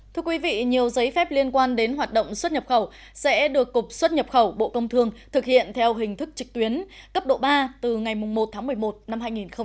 thưa quý vị nhiều giấy phép liên quan đến hoạt động xuất nhập khẩu sẽ được cục xuất nhập khẩu bộ công thương thực hiện theo hình thức trực tuyến cấp độ ba từ ngày một tháng một mươi một năm hai nghìn hai mươi